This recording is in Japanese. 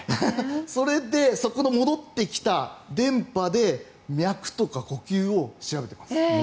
それでその戻ってきた電波で脈とか呼吸を調べています。